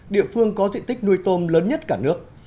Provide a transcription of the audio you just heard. địa phương có diện tích nuôi tôm lớn nhất cả nước